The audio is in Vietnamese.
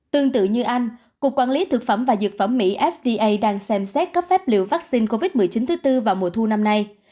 tương tự như anh cục quản lý thực phẩm và dược phẩm mỹ fda đang xem xét cấp phép liều vaccine covid một mươi chín thứ tư vào mùa thu năm nay